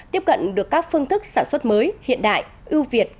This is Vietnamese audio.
tiếp cận được các phương thức sản xuất mới hiện đại ưu việt